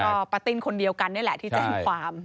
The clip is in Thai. ก็ป้าติ้นคนเดียวกันนี่แหละที่แจ้งความ